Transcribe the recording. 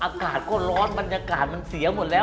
อากาศก็ร้อนบรรยากาศมันเสียหมดแล้ว